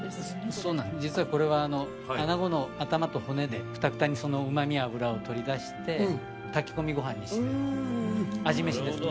そうなんです実はこれはあなごの頭と骨でくたくたにその旨味脂を取り出して炊き込みご飯にして味飯ですね